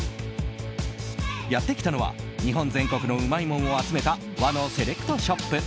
やってきたのは日本全国のうまいもんを集めた和のセレクトショップ